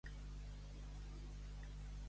Com so cristià.